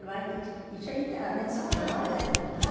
一緒にいたらねそういう風に思わないですもんね。